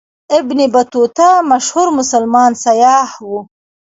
ابن بطوطه مشهور مسلمان سیاح و.